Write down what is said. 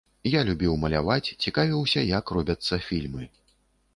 Я любіў маляваць, цікавіўся, як робяцца фільмы.